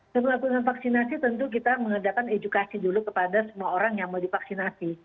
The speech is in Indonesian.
sebelum melakukan vaksinasi tentu kita mengadakan edukasi dulu kepada semua orang yang mau divaksinasi